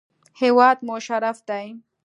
هېواد مو شرف دی